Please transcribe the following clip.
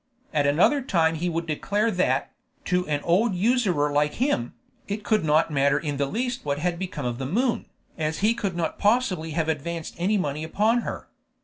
At another time he would declare that, to an old usurer like him, it could not matter in the least what had become of the moon, as he could not possibly have advanced any money upon her.